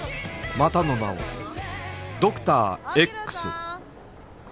またの名をドクター Ｘ